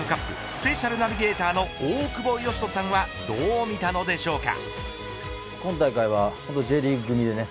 スペシャルナビゲーターの大久保嘉人さんはどう見たのでしょうか。